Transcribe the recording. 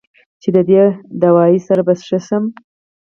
چې د دې دوائي سره به زۀ ښۀ شم